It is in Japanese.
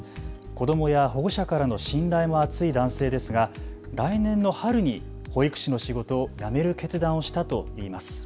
子どもや保護者からの信頼も厚い男性ですが来年の春に保育士の仕事を辞める決断をしたといいます。